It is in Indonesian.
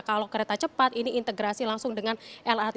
kalau kereta cepat ini integrasi langsung dengan lrt